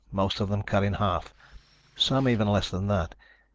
Most of them cut in half. Some even less than that.